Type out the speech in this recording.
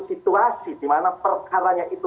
situasi dimana perkaranya itu